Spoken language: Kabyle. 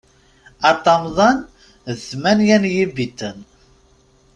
Aṭamḍan d tmenya n yibiten.